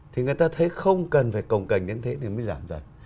thì người ta thấy không cần phải cồng cành đến thế thì mới giảm dần